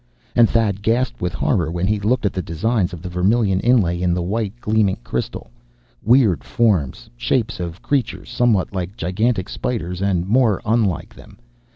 And Thad gasped with horror, when he looked at the designs of the vermilion inlay, in the white, gleaming crystal. Weird forms. Shapes of creatures somewhat like gigantic spiders, and more unlike them.